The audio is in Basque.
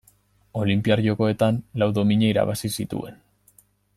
Olinpiar Jokoetan lau domina irabazi zituen.